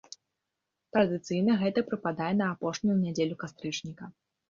Традыцыйна гэта прыпадае на апошнюю нядзелю кастрычніка.